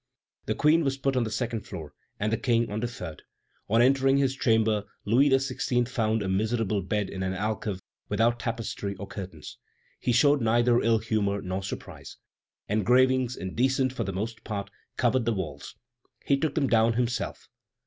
The Queen was put on the second floor, and the King on the third. On entering his chamber, Louis XVI. found a miserable bed in an alcove without tapestry or curtains. He showed neither ill humor nor surprise. Engravings, indecent for the most part, covered the walls. He took them down himself.